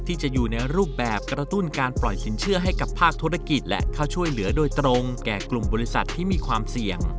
ที่จะอยู่ในรูปแบบกระตุ้นการปล่อยสินเชื่อให้กับภาคธุรกิจและเข้าช่วยเหลือโดยตรงแก่กลุ่มบริษัทที่มีความเสี่ยง